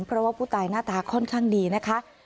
เพราะว่าผู้ตายหน้าตาค่อนข้างดีนะคะ